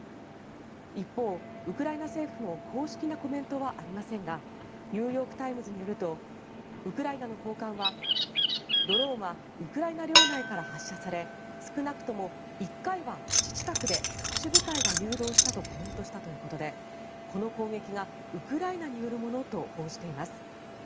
一方、ウクライナ政府の公式なコメントはありませんがニューヨーク・タイムズによるとウクライナの高官はドローンはウクライナ領内から発射され少なくとも１回は基地近くで特殊部隊が誘導したとコメントしたということでこの攻撃がウクライナによるものと報じています。